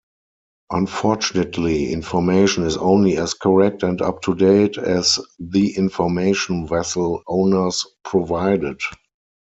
Unfortunately, information is only as correct and up-to-date as the information vessel owners provided.